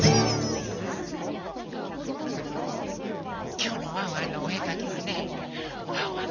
きょうのワンワンのおえかきはねワンワン